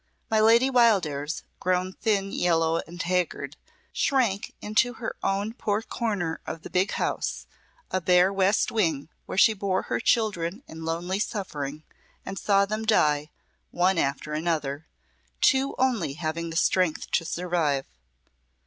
My Lady Wildairs, grown thin, yellow, and haggard, shrank into her own poor corner of the big house, a bare west wing where she bore her children in lonely suffering and saw them die, one after the other, two only having the strength to survive.